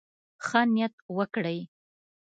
ښه نيت وکړئ.